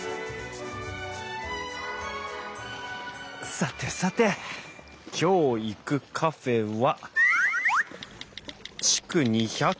さてさて今日行くカフェは。